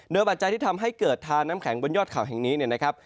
โดยปัจจัยที่ทำให้เกิดทาน้ำแข็งบนยอดเขาแห่งนี้เนี่ยนะครับ